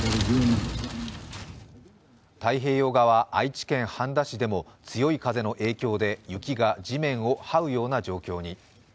太平洋側、愛知県半田市でも強い風の影響で雪が地面をはうような状況に。